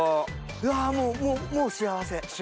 うわもうもう幸せ。